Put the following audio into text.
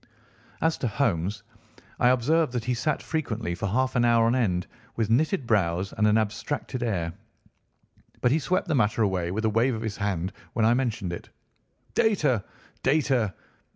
As to Holmes, I observed that he sat frequently for half an hour on end, with knitted brows and an abstracted air, but he swept the matter away with a wave of his hand when I mentioned it. "Data! data!